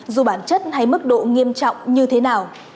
dù bản chất hay mức độ nghiêm trọng như thế nào